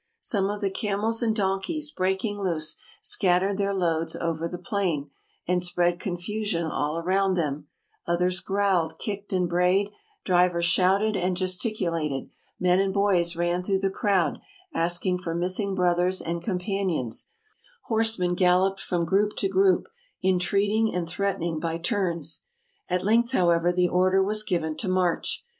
Some of the camels and donkeys, breaking loose, scattered their loads over the plain, and spread confusion all around them; others growled, kicked, and brayed; drivers shouted and gesticulated; men and boys ran through the crowd, asking for missing brothers and companions; horsemen galloped from group to group, entreating and threatening by turns. At length, however, the order was given to march.